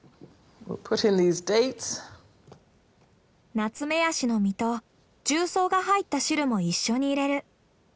ナツメヤシの実と重曹が入った汁も一緒に入れる。